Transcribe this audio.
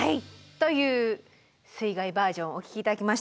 という水害バージョンお聴き頂きました。